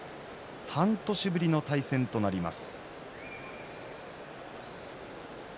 半年ぶりの対戦となります。